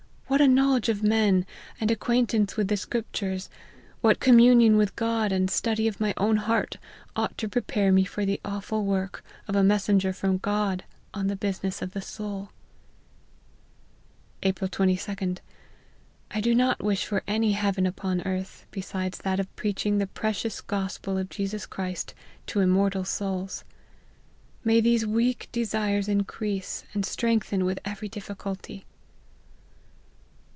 what a knowledge of men, and acquaintance with the Scriptures, what communion with God, and study of my own heart, ought to prepare me for the aw ful work of a messenger from God on the business of the soul !"" April 22d. I do not wish for any heaven upon earth besides that of preaching the precious Gospel of Jesus Christ to immortal souls. May these weak desires increase and strengthen with every difficulty."